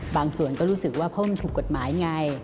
บางส่วนก็รู้สึกว่าเพราะมันถูกกฎหมายไง